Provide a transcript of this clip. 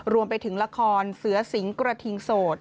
รวมไปถึงละครเสือสิงกระทิงโสด